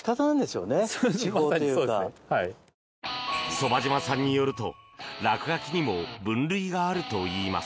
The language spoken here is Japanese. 傍嶋さんによると、落書きにも分類があるといいます。